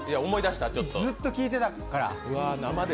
ずっと聴いてたから。